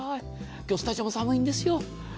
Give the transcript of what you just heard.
今日スタジオも寒いですよ。